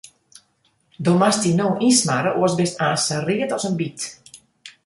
Do moatst dy no ynsmarre, oars bist aanst sa read as in byt.